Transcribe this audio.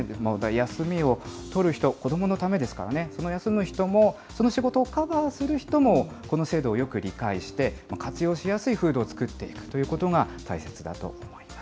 休みを取る人、子どものためですからね、その休む人も、その仕事をカバーする人も、この制度をよく理解して、活用しやすい風土を作っていくということが大切だと思います。